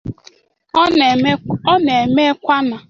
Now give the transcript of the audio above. Ọ na-eme kwa n